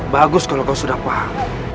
bagus kalau kau sudah paham